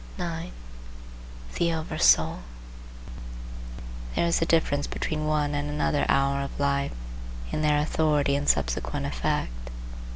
THE OVER SOUL There is a difference between one and another hour of life in their authority and subsequent effect.